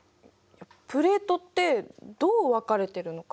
プレートってどう分かれてるのかなって。